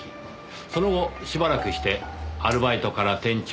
その後しばらくしてアルバイトから店長に昇格。